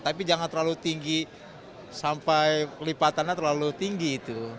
tapi jangan terlalu tinggi sampai lipatannya terlalu tinggi itu